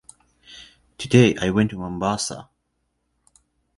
Today I went to Mombasa.